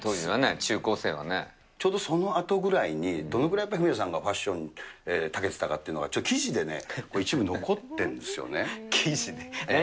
当時はね、ちょうどそのあとぐらいに、どのくらい、やっぱりフミヤさんがファッションにたけてたかというのが、記事でね、一部、残っているんですよね。